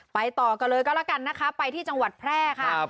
ต่อกันเลยก็แล้วกันนะคะไปที่จังหวัดแพร่ค่ะ